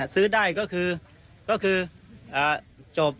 ซื้อได้ก็คือจบ